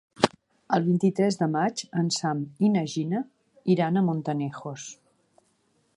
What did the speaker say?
El vint-i-tres de maig en Sam i na Gina iran a Montanejos.